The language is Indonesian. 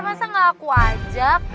masa gak aku ajak